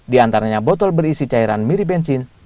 diantaranya botol berisi cairan mirip bensin